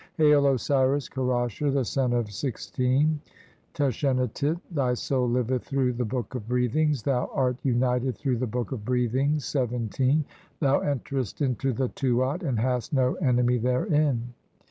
"Hail, Osiris Kerasher, the son of (16) Tashenatit, "thy soul liveth through the Book of Breathings, thou "art united through the Book of Breathings, (17) thou "enterest into the Tuat and hast no enemy therein.